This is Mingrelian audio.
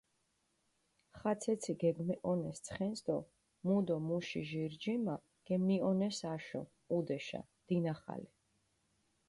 ხაცეცი გეგმეჸონეს ცხენს დო მუ დო მუში ჟირ ჯიმა გემნიჸონეს აშო, ჸუდეშა, დინახალე.